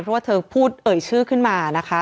เพราะว่าเธอพูดเอ่ยชื่อขึ้นมานะคะ